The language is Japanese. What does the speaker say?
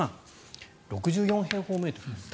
６４平方メートルです。